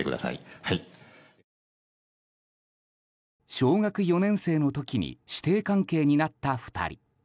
小学４年生の時に師弟関係になった２人。